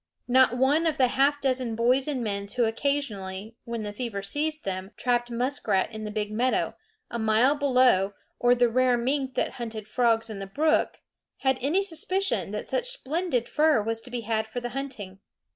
Not one of the half dozen boys and men who occasionally, when the fever seized them, trapped muskrat in the big meadow, a mile below, or the rare mink that hunted frogs in the brook, had any suspicion that such splendid fur was to be had for the hunting.